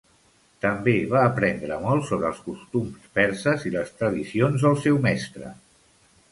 També va aprendre molt sobre els costums perses i les tradicions del seu mestre.